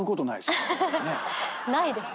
ないです。